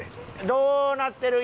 どうなってる？